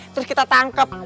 terus kita tangkep